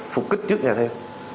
phục kích trước nhà thêu